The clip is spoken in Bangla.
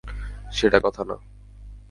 সেটা কথা না।